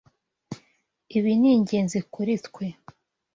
Ibi ni ingenzi kuri twe.